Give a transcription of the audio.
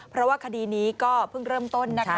เพราะว่าคดีนี้ก็เพิ่งเริ่มต้นนะคะ